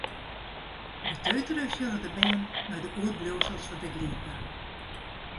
Beteutere sjogge de bern nei de oerbliuwsels fan de glydbaan.